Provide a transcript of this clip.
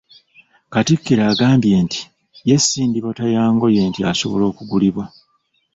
Katikkiro agambye nti ye si ndiboota yangoye nti asobola okugulibwa.